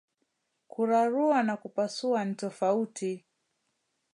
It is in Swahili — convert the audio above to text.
Kurarua na kupasua ntofauti